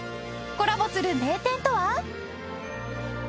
コラボする名店とは？